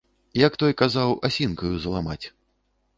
Як той казаў, асінкаю заламаць.